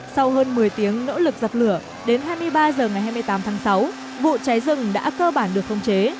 sau hơn một mươi tiếng nỗ lực dập lửa đến hai mươi ba h ngày hai mươi tám tháng sáu vụ cháy rừng đã cơ bản được không chế